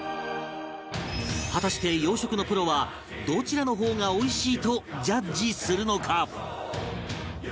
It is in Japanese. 果たして洋食のプロはどちらの方がおいしいとジャッジするのか？